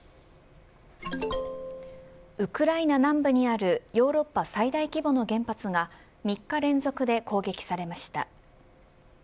ウクライナ南部にあるヨーロッパ最大規模の原発が３日連続で攻撃されました。